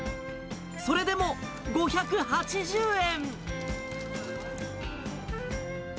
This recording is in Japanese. それでも５８０円。